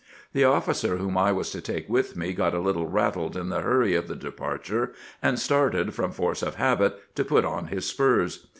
The officer whom I was to take with me got a little rattled in the hurry of the departure, and started, from force of habit, to put on his spurs.